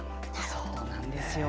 そうなんですよ。